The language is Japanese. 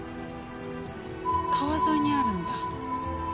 川沿いにあるんだ。